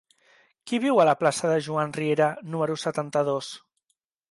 Qui viu a la plaça de Joan Riera número setanta-dos?